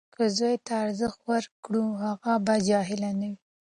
که زوی ته ارزښت ورکړو، هغه به جاهل نه وي.